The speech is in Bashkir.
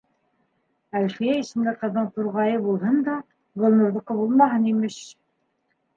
Әлфиә исемле ҡыҙҙың турғайы булһын да, Гөлнурҙыҡы булмаһын, имеш.